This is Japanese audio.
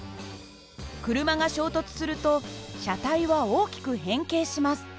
車が衝突すると車体は大きく変形します。